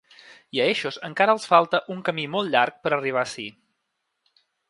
I a eixos encara els falta un camí molt llarg per arribar ací.